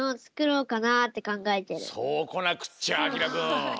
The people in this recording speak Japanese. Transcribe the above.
そうこなくっちゃあきらくん。